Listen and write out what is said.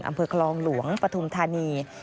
อำเภอคลองหลวงปฐุมธานี